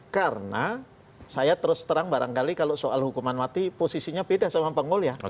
karena saya terus terang barangkali kalau soal hukuman mati posisinya beda sama pengul ya